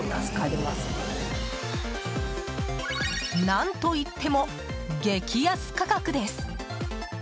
何といっても激安価格です。